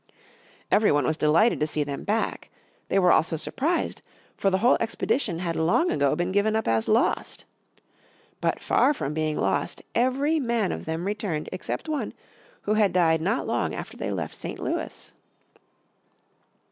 Every one was delighted to see them back. They were also surprised, for the whole expedition had long ago been given up as lost. But far from being lost every man of them returned except one who had died not long after they had left St. Louis.